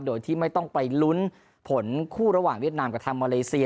โดยที่ไม่ต้องไปลุ้นผลคู่ระหว่างเวียดนามกับทางมาเลเซีย